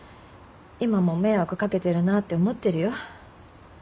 今も迷惑かけてるなって思ってるよ。